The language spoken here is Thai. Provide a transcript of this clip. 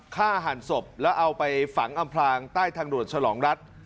ฆ่าหันศพแล้วเอาไปฝังอำพลางใต้ทางด่วนฉลองรัฐ